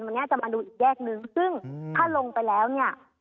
วันนี้จะมาดูอีกแยกนึงซึ่งถ้าลงไปแล้วเนี่ย